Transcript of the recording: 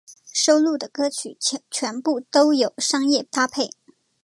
收录的歌曲全部都有商业搭配。